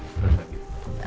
selamat pagi pak nino